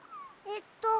えっと